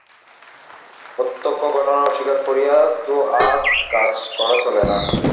প্রত্যক্ষ ঘটনা অস্বীকার করিয়া তো আর কাজ করা চলে না।